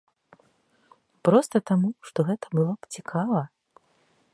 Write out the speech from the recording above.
Проста таму, што гэта было б цікава.